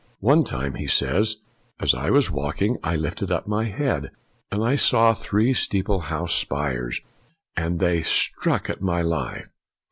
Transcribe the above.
One time, he says, " as I was walking, I lifted up my head, and I saw three 290 FOX steeple house spires, and they struck at my life.